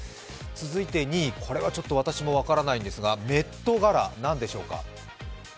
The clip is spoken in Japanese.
続いて２位、これはちょっと私も分からないんですが、メットガラ、何でしょうか？